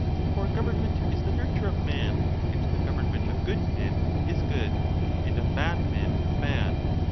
For government is the nurture of man, and the government of good men is good, and of bad men bad.